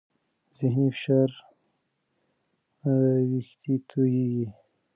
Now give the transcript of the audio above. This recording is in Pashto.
ذهني فشار وېښتې تویېږي.